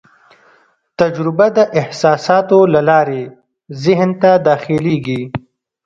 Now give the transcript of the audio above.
تجربه د احساساتو له لارې ذهن ته داخلېږي.